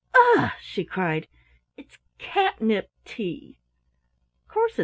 "Ugh!" she cried, "it's catnip tea."